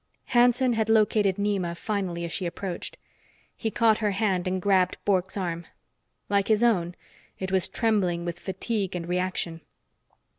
Hanson had located Nema finally as she approached. He caught her hand and grabbed Bork's arm. Like his own, it was trembling with fatigue and reaction.